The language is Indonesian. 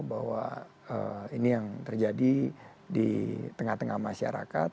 bahwa ini yang terjadi di tengah tengah masyarakat